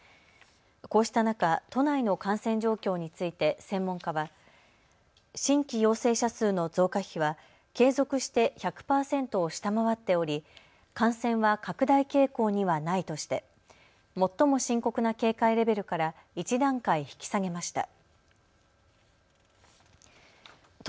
こうした中、都内の感染状況について専門家は新規陽性者数の増加比は継続して１００％を下回っており感染は拡大傾向にはないとして最も深刻な警戒レベルから１段階引き下げました。